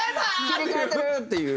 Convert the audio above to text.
切り替えてる！っていう。